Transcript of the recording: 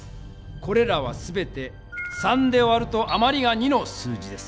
これらはすべて３で割るとあまりが２の数字です。